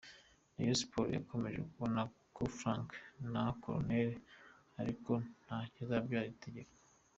Rayon Sports yakomeje kubona coup franc na koruneli ariko nta ntizabyara igitego .